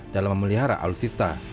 dalam memelihara alutsista